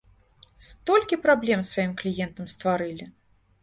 Столькі праблем сваім кліентам стварылі!